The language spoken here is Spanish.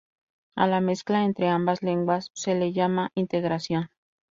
A la mezcla entre ambas lenguas se le llama integración.